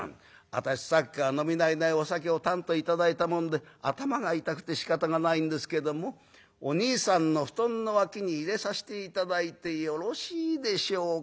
「『私さっきから飲み慣れないお酒をたんと頂いたもんで頭が痛くてしかたがないんですけどもおにいさんの布団の脇に入れさせて頂いてよろしいでしょうか？』